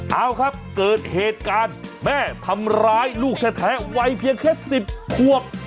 เอาครับเกิดเหตุการณ์แม่ทำร้ายลูกแท้วัยเพียงแค่๑๐ควบ